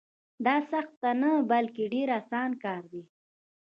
دا سخت نه بلکې ډېر اسان کار دی.